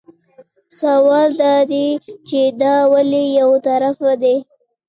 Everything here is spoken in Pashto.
سوال دا دی چې دا ولې یو طرفه دي.